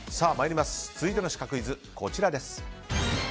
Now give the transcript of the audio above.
続いてのシカクイズはこちら。